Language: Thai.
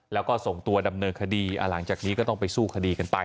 แล้วก็ส่งตัวดำเนินคดีหลังจากนี้ก็ต้องไปสู้คดีกันไป